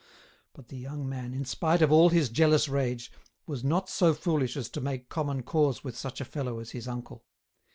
But the young man, in spite of all his jealous rage, was not so foolish as to make common cause with such a fellow as his uncle.